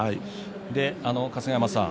春日山さん